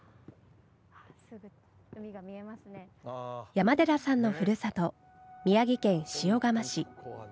山寺さんのふるさと宮城県塩釜市。